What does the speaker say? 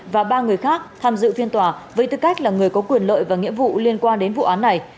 và ba người khác tham dự phiên tòa với tư cách là người có quyền lợi và nghĩa vụ liên quan đến vụ án này